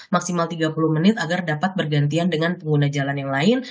maksimal tiga puluh menit agar dapat bergantian dengan pengguna jalan yang lain